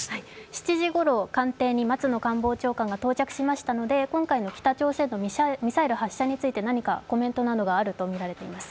７時ごろ官邸に松野官房長官が到着しましたので、今回の北朝鮮のミサイル発射について何かコメントなどがあるとみられています。